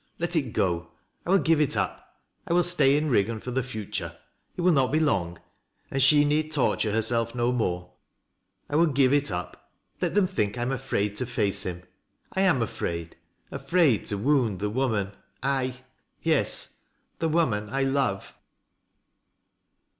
Let it go. I will give it up. I will stay in Eiggan for the future — it will not be long, and she need torture herself no more. I will give it up. Let them think I ara afraid to face him. I am afraid — afraid to wound the woman I — 'yea — the v oman I love."